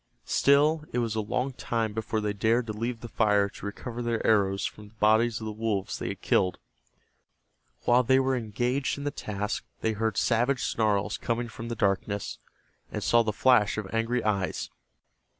Still it was a long time before they dared to leave the fire to recover their arrows from the bodies of the wolves they had killed. While they were engaged in the task they heard savage snarls coming from the darkness, and saw the flash of angry eyes.